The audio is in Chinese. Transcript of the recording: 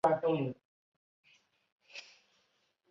后来曾重修三次。